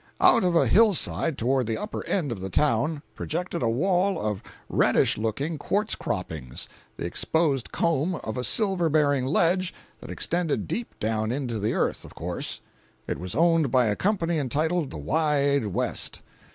Out of a hillside toward the upper end of the town, projected a wall of reddish looking quartz croppings, the exposed comb of a silver bearing ledge that extended deep down into the earth, of course. It was owned by a company entitled the "Wide West."